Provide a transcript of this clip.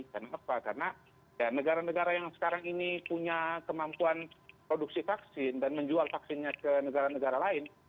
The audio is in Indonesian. karena apa karena negara negara yang sekarang ini punya kemampuan produksi vaksin dan menjual vaksinnya ke negara negara lain